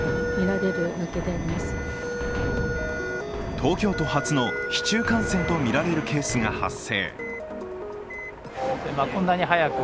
東京都初の市中感染とみられるケースが発生。